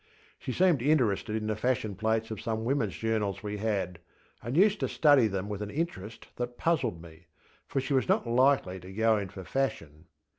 She seemed interested in the fashion plates of some womenŌĆÖs journals we had, and used to study them with an interest that puzzled me, for she was not likely to go in for fashion.